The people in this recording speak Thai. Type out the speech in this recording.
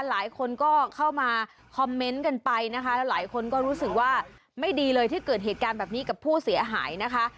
หลายคนก็เข้ามาคอมเมนต์กันไปนะคะแล้วหลายคนก็รู้สึกว่าไม่ดีเลยที่เกิดเหตุการณ์แบบนี้กับผู้เสียหายนะคะ